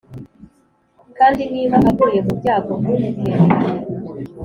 kandi niba aguye mu byago ntumutererane.